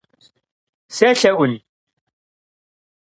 Селъэӏун?